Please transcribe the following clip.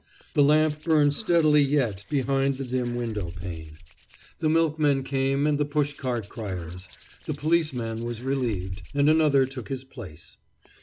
The lamp burned steadily yet behind the dim window pane. The milkmen came, and the push cart criers. The policeman was relieved, and another took his place.